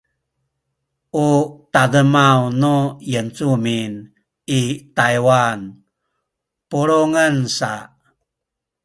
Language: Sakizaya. u tademaw nu Yincumin i Taywan pulungen sa